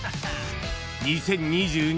［２０２２年